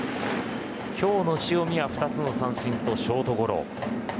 今日の塩見は２つの三振とショートゴロ。